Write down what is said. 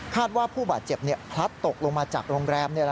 ว่าผู้บาดเจ็บพลัดตกลงมาจากโรงแรม